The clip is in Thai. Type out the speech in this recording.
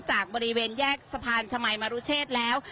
จากบริเวณแยกสะพานชมัยมรุเชษแล้ว